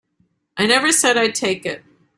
I never said I'd take it.